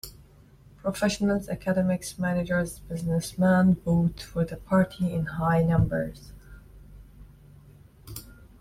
Professionals, academics, managers, businessman vote for the party in high numbers.